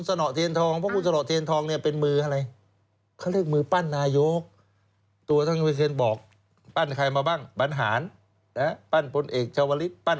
สถานีต่อไปมันเป็นสถานีสะแก้ว